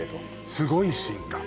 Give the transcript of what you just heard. すごい進化。